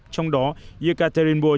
trong đó yekaterinburg